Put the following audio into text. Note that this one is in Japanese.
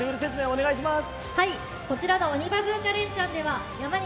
お願いします。